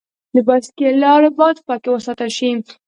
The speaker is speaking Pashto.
د بایسکل لارې باید پاکې وساتل شي.